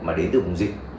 mà đến từ vùng dịch